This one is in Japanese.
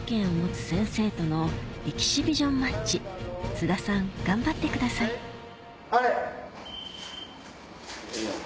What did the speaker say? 津田さん頑張ってくださいアレ！